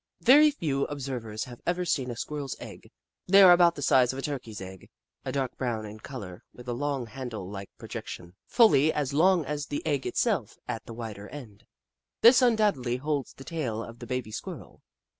Very few observers have ever seen a Squirrel's egg. They are about the size of a Turkey's egg, a dark brown in colour, with a long, handle like projection, fully as long as the egg itself, at the wider end. This undoubtedly holds the tail of the baby Squirrel.